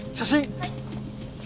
はい。